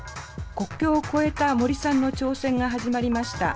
国境を超えた森さんの挑戦が始まりました。